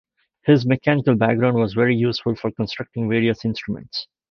His mechanical background was very useful for constructing various instruments.